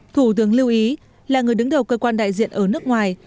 thủ tướng lưu ý là người đứng đầu cơ quan đại diện ở nước ngoài